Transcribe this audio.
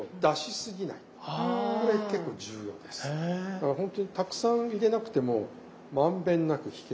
だからほんとにたくさん入れなくても満遍なく引けるっていう。